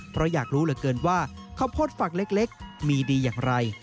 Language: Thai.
เพราะอยากรู้เหลือเกินว่าข้าวโพดฝักเล็กมีดีอย่างไร